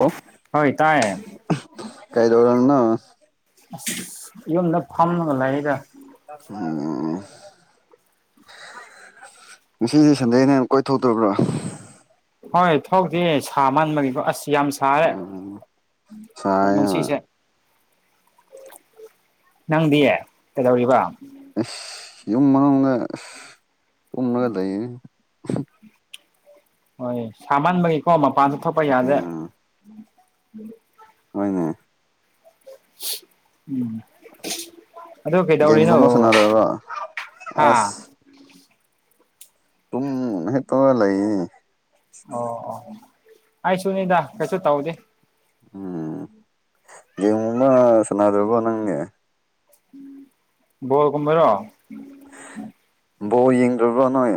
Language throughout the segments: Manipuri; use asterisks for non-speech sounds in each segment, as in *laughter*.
ꯑꯣ ꯍꯣꯏ ꯇꯥꯏꯌꯦ ꯀꯩꯗꯧꯔꯝꯃꯤꯅꯣ ꯑꯁ ꯌꯨꯝꯗ ꯐꯝꯃꯒ ꯂꯩꯥꯗ ꯎꯝ ꯉꯁꯤꯗꯤ ꯁꯟꯗꯦꯅꯦ ꯀꯣꯏꯊꯣꯛꯇ꯭ꯔꯕ꯭ꯔꯣ ꯍꯣꯏ ꯊꯣꯛꯇꯤꯌꯦ ꯁꯥꯃꯟꯕꯒꯤꯀꯣ ꯑꯁ ꯌꯥꯝ ꯁꯥ ꯁꯥꯔꯦ ꯎꯝ ꯁꯥꯏꯌꯦ ꯍꯣꯏ ꯉꯁꯤꯁꯦ ꯅꯪꯗꯤ ꯀꯩꯗꯧꯔꯤꯕ ꯑꯁ ꯌꯨꯝ ꯃꯅꯨꯡꯗ ꯑꯁ ꯇꯨꯝꯂꯒ ꯂꯩꯌꯦꯅꯦ ꯍꯣꯏ ꯁꯥꯃꯟꯕꯒꯤꯀꯣ ꯃꯄꯥꯟꯁꯨ ꯊꯣꯛꯄ ꯌꯥꯗꯦ ꯎꯝ ꯍꯣꯏꯅꯦ ꯎꯝ ꯑꯗꯨ ꯀꯩꯗꯧꯔꯤꯅꯣ ꯒꯦꯝꯒꯨꯝꯕ ꯁꯥꯟꯅꯗꯕ꯭ꯔꯣ ꯍꯥ ꯑꯁ ꯇꯨꯝ ꯍꯤꯞꯄꯒ ꯂꯩꯌꯦꯅꯦ ꯑꯣ ꯑꯣ ꯑꯩꯁꯨꯅꯤꯗ ꯀꯩꯁꯨ ꯇꯧꯗꯦ ꯎꯝ ꯒꯦꯝꯒꯨꯝꯕ ꯁꯅꯥꯗ꯭ꯔꯕꯣ ꯅꯪꯗꯤ ꯕꯣꯜ ꯒꯨꯝꯕꯩꯔꯣ ꯕꯣꯜ ꯌꯦꯡꯗ꯭ꯔꯕ꯭ꯔ ꯅꯣꯏ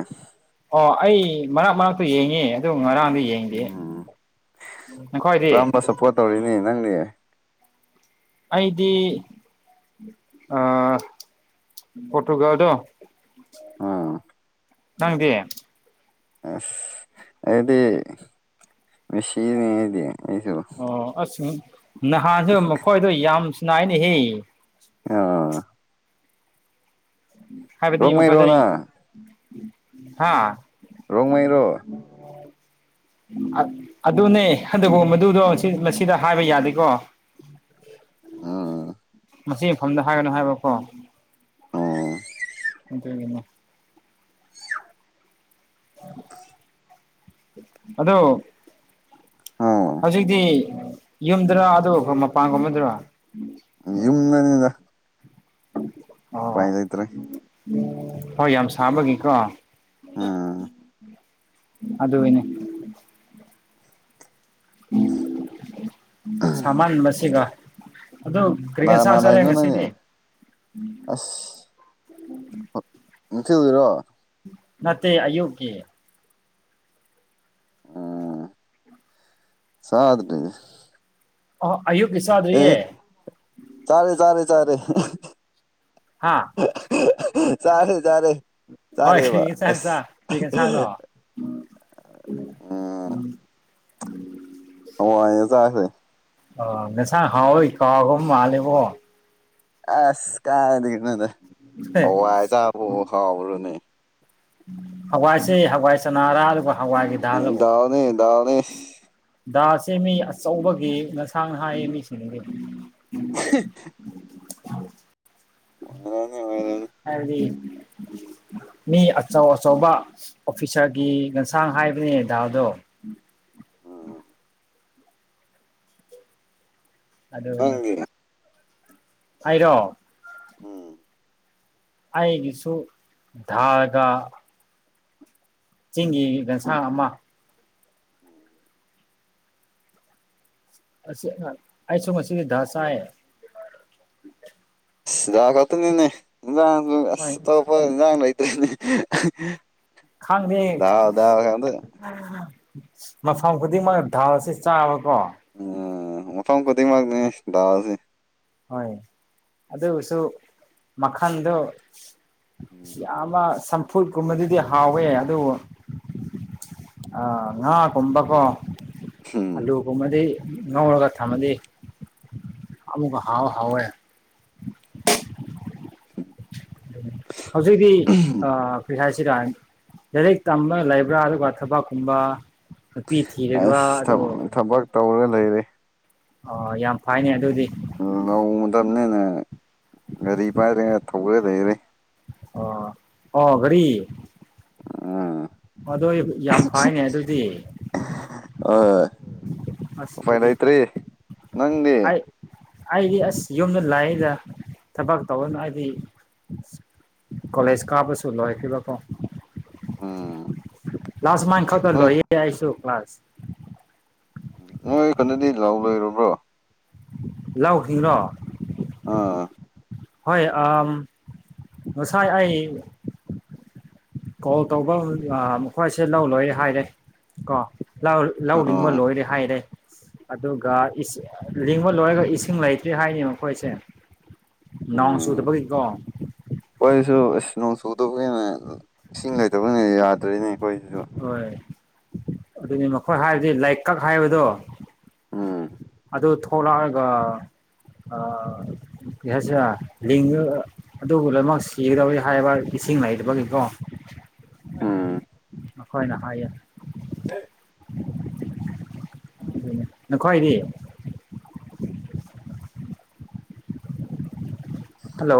ꯑꯣ ꯑꯩ ꯃꯔꯛ ꯃꯔꯛꯇ ꯌꯦꯡꯉꯦ ꯑꯗꯨ ꯉꯔꯥꯡꯗꯤ ꯌꯦꯡ ꯗꯤꯌꯦ ꯎꯝ ꯅꯈꯣꯏꯗꯤ ꯇꯧꯔꯤꯅꯦ ꯅꯪꯗꯤ ꯑꯩꯗꯤ ꯑ ꯄꯣꯔꯇꯨꯒꯜꯗꯣ ꯑꯥ ꯅꯪꯗꯤ ꯑꯁ ꯑꯩꯗꯤ ꯃꯦꯁꯤꯅꯦ ꯑꯩꯗꯤ *unintelligible* ꯑꯣ ꯑꯁ ꯅꯍꯥꯟꯁꯨ ꯃꯈꯣꯏꯗꯣ ꯌꯥꯝ ꯁꯨꯅꯥꯏꯅꯦꯍꯦ ꯑ ꯍꯥꯏꯕꯗꯤ ꯔꯣꯡꯃꯩꯔꯣ ꯃꯈꯣꯏꯗꯣ ꯅꯪ ꯍꯥꯥ ꯔꯣꯡꯃꯩꯔꯣ ꯑꯗꯨꯅꯦ ꯑꯗꯨꯕꯨ ꯃꯗꯨꯗꯣ ꯃꯁꯤꯗ ꯍꯥꯏꯕ ꯌꯥꯗꯦꯀꯣ *inaudible* ꯃꯁꯤ ꯃꯐꯝꯗ ꯍꯥꯏꯒꯅꯨ ꯍꯥꯏꯕꯀꯣ ꯑꯣ ꯑꯗꯨꯒꯤꯅꯤ ꯑꯗꯣ ꯑꯣ ꯍꯧꯖꯤꯛꯇꯤ ꯌꯨꯝꯗꯨꯔ ꯑꯗꯨꯒ ꯑꯩꯣꯏ ꯃꯄꯥꯟꯒꯨꯝꯕꯗꯨꯔ ꯌꯨꯝꯗꯅꯤꯅ ꯑꯣ ꯂꯩꯇ꯭ꯔꯦ ꯍꯣꯏ ꯌꯥꯝ ꯁꯥꯕꯒꯤꯀꯣ ꯑꯥ ꯑꯗꯨꯗꯅꯦ ꯁꯃꯥꯟꯒ ꯑꯗꯨ ꯀꯔꯤ ꯅ ꯌꯦꯟꯁꯥꯡ ꯆꯥꯔꯦ ꯂꯩꯅꯣ ꯅꯅꯦ ꯉꯁꯤꯗꯤ ꯑꯁ ꯅꯨꯡꯊꯤ ꯑꯣꯏꯔꯣ ꯃꯠꯇꯦ ꯑꯌꯣꯀꯤꯦ ꯎꯝ ꯁꯥꯠ ꯇꯒꯦ ꯑ ꯑꯌꯨꯀꯤꯁꯥꯗꯌꯦ ꯆꯥꯔꯦ ꯆꯥꯔꯦ ꯆꯥꯔꯦ ꯍꯥꯥ ꯆꯔꯦ ꯆꯥꯔꯦ ꯍꯣꯏ ꯆꯔꯦ ꯋꯥ ꯑꯁ ꯎꯝ ꯎꯝ ꯎꯝ ꯎꯝ ꯑꯣ ꯑꯩ ꯆꯁꯦ ꯑ ꯉꯁꯥꯡ ꯍꯥꯎꯏ ꯀꯥꯒꯨꯝ ꯃꯥꯂꯦꯕꯣ ꯑꯁ ꯀꯥꯏꯗꯒꯤꯅꯣꯗ ꯍꯋꯥꯏꯖꯥꯕꯨ ꯍꯥꯎꯔꯨꯅꯦ ꯍꯋꯥꯏꯁꯦ ꯍꯋꯥꯏ ꯆꯅꯥꯔꯥ ꯑꯗꯨꯒ ꯍꯋꯥꯏꯒꯤ ꯎꯝ ꯜꯂꯕꯨ ꯗꯥꯎꯅꯤ ꯗꯥꯎꯅꯤ ꯗꯥꯁꯦ ꯃꯤ ꯑꯆꯧꯕꯒꯤ ꯉꯁꯥꯡ ꯍꯥꯏꯌꯦ ꯃꯤꯁꯤꯡꯒꯤ ꯑꯣꯏꯔꯝꯅꯤ ꯑꯣꯏꯔꯝꯅꯤ ꯍꯥꯏꯗꯤ ꯃꯤ ꯑꯆꯧ ꯑꯆꯧꯕ ꯑꯣꯐꯤꯁꯥꯔꯒꯤ ꯌꯦꯟꯁꯥꯡ ꯍꯥꯏꯕꯅꯦ ꯗꯥꯗꯣ ꯎꯝ ꯑꯗꯅꯦ ꯅꯪꯗꯤ ꯍꯥꯏꯔꯣ ꯎꯝ ꯑꯩꯒꯤꯁꯨ ꯙꯒ ꯆꯤꯡꯒꯤꯗꯁꯥꯃ ꯎꯝ ꯑꯁꯤ ꯑꯩꯁꯨꯨꯝ ꯉꯁꯤꯗꯤ ꯗꯥꯥꯁꯥ ꯁꯤꯗꯥꯛ ꯈꯛꯇꯅꯤꯅꯦ ꯏꯟꯖꯥꯡꯁꯨ ꯑꯁ ꯍꯣꯏ ꯑꯇꯣꯞꯄ ꯏꯟꯖꯥꯡ ꯂꯩꯇ꯭ꯔꯦꯅꯦ ꯈꯥꯡꯗ ꯗꯥꯜ ꯗꯥꯜ ꯉꯥꯛꯇ ꯃꯐꯝ ꯈꯨꯗꯤꯡꯃꯛ ꯥꯎ ꯑꯁꯤ ꯆꯥꯕꯀꯣ ꯎꯝ ꯃꯐꯝ ꯈꯨꯗꯤꯡꯃꯛꯅꯤ ꯗꯥꯁꯦ ꯍꯣꯏ ꯑꯗꯨꯁꯨ ꯃꯈꯜꯗꯣ ꯎꯝ ꯌꯥꯝꯅ ꯆꯝꯐꯨꯠ ꯀꯨꯝꯕꯗꯨꯗꯤ ꯍꯥꯎꯋꯦ ꯑꯗꯨꯕꯨ ꯑ ꯉꯥ ꯀꯕꯀꯣ ꯑꯜꯂꯨ ꯀ ꯃꯗꯤ ꯅꯧꯒ ꯊ ꯃꯗꯤ ꯑꯃꯨꯒ ꯍꯥꯎ ꯍꯥꯎ ꯌꯥ ꯍꯧꯖꯤꯛꯇꯤ ꯄꯣꯏꯁ ꯍꯥꯏꯁꯤꯔ ꯂꯥꯏꯔꯤꯛ ꯇꯝꯕ ꯂꯩꯕ꯭ꯔꯥ ꯑꯗꯨꯒ ꯊꯕꯛꯀꯨꯝꯕ ꯅꯨꯄꯤ ꯊꯤꯔꯤꯕ ꯑꯗꯨꯒ ꯇꯧꯔꯒ ꯂꯩꯔꯦ ꯑꯣ ꯌꯥꯝ ꯐꯩꯅꯦ ꯑꯗꯨꯗꯤ ꯅ ꯃꯇꯝꯅꯤꯅꯤꯅ ꯒꯥꯔꯤ ꯄꯥꯏꯗꯒ ꯊꯧꯧꯕꯒ ꯂꯩꯔꯦ ꯑꯣ ꯑꯣ ꯔꯤ ꯎꯝ ꯑꯗꯨꯣ ꯌꯥꯝ ꯐꯥꯏꯅꯦ ꯑꯗꯨꯗꯤ ꯑꯁ ꯑ ꯐꯥꯏꯟ ꯑꯗꯨꯗꯤ ꯑꯥꯏꯇꯔꯤ ꯅꯪꯅꯤ ꯑꯩ ꯑꯩꯗꯤ ꯑꯁ ꯌꯨꯝꯗ ꯂꯥꯛꯏꯗ ꯊꯕꯛ ꯇꯧꯔꯅ ꯑꯩꯗꯤ ꯀꯣꯂꯦꯖ ꯀꯥꯕꯨꯁꯨ ꯂꯣꯏꯈꯤꯕꯥꯀꯣ ꯎꯝ ꯂꯥꯁ ꯃꯥꯏ ꯈꯛꯇ ꯅꯣꯏ ꯂꯣꯏꯌꯦ ꯑꯩꯁꯨ ꯀ꯭ꯂꯥꯁ ꯅꯣꯏ ꯈꯨꯟꯗꯗꯤ ꯂꯧ ꯂꯣꯏꯔꯕ꯭ꯔꯣ ꯂꯧꯈꯤꯡꯔꯣ ꯑꯥ ꯍꯣꯏ ꯑꯥ ꯉꯁꯥꯏ ꯑꯩ ꯀꯣꯜ ꯇꯧꯕ ꯃꯈꯣꯏꯁꯦ ꯂꯧ ꯂꯣꯏꯔꯦ ꯍꯥꯏꯔꯦ ꯀꯣ ꯂꯥꯎ ꯂꯤꯡꯕ ꯑꯥ ꯂꯣꯏꯔꯦ ꯍꯥꯏꯔꯦ ꯑꯗꯨꯒ ꯏꯁꯤꯡ ꯂꯤꯡꯕ ꯂꯣꯏꯔꯒ ꯏꯁꯤꯡ ꯂꯩꯇ꯭ꯔꯤ ꯍꯥꯏꯌꯦꯅꯦ ꯃꯈꯣꯏꯁꯦ ꯅꯣꯡ ꯎꯝ ꯆꯨꯗꯕꯒꯤꯀꯣ ꯑꯩꯈꯣꯏꯁꯨ ꯅꯣꯡ ꯏꯁ ꯆꯨꯗꯕꯒꯤꯅ ꯏꯁꯤꯡ ꯂꯩꯇꯕꯅꯤ ꯌꯥꯗ꯭ꯔꯦꯅꯦ ꯑꯩꯈꯣꯏꯖꯦ ꯍꯣꯏ ꯑꯗꯨꯅꯤ ꯃꯈꯣꯏ ꯍꯥꯏꯕꯗꯤ ꯂꯩꯀꯛ ꯍꯥꯏꯕꯗꯣ ꯎꯝ ꯑꯗꯨ ꯊꯣꯛꯂꯛ ꯔꯥꯒ ꯑꯥ ꯀꯩ ꯍꯥꯏꯁꯤꯔꯥ ꯂꯤꯡꯔꯒꯥ ꯑꯗꯨ ꯂꯣꯏꯃꯛ ꯁꯤꯒꯗꯧꯔꯦ ꯍꯥꯏꯕ ꯏꯁꯤꯡ ꯂꯩꯇꯥꯕꯒꯤꯀꯣ ꯎꯝ ꯃꯥꯈꯣꯏꯅ ꯍꯥꯏꯌꯦ *unintelligible* ꯅꯈꯣꯏꯗꯤ *inaudible* ꯍꯜꯂꯣ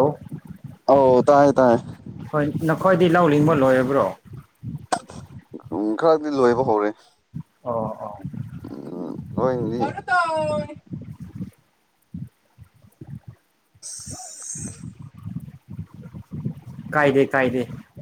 ꯑꯎ ꯇꯥꯏꯌꯦ ꯇꯥꯏꯌꯦ ꯍꯣꯏ ꯅꯈꯣꯏꯗꯤ ꯂꯧ ꯂꯤꯡꯕ ꯂꯣꯏꯔꯕ꯭ꯔꯣ ꯎꯝ ꯈꯔꯗꯤ ꯂꯣꯏꯕ ꯍꯧꯔꯦ ꯑꯣ ꯑꯣ ꯎꯝ *unintelligible* *inaudible* ꯀꯥꯏꯗꯦ ꯀꯥꯏꯗꯦ